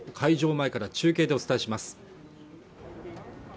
前から中継でお伝えします